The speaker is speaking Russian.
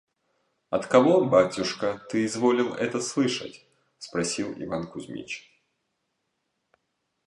– «От кого, батюшка, ты изволил это слышать?» – спросил Иван Кузмич.